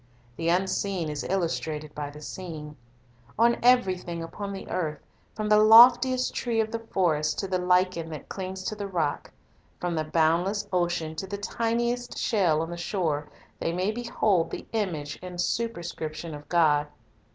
The unseen is illustrated by the seen. On everything upon the earth, from the loftiest tree of the forest to the lichen that clings to the rock, from the boundless ocean to the tiniest shell on the shore, they may behold the image and superscription of God.